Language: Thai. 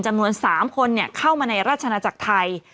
จำนวน๓คนเข้ามาในราชนาจักรไทย